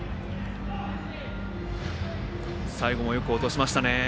最後もよく落としましたね。